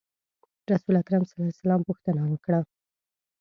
رسول اکرم صلی الله علیه وسلم پوښتنه وکړه.